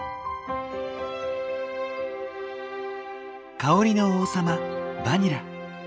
香りの王様バニラ。